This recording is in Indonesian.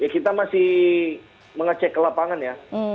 kita masih mengecek ke lapangan ya